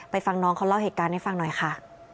ฟังน้องเขาเล่าเหตุการณ์ให้ฟังหน่อยค่ะ